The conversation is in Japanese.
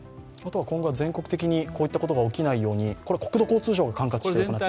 今後は全国的にこういったことが起きないように、国土交通省が管轄ですね。